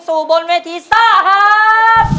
สู่บนเวทีสตาร์ทครับ